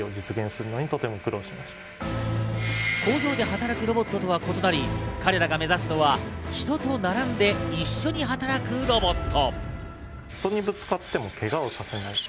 工場で働くロボットとは異なり、彼らが目指すのは人と並んで一緒に働くロボット。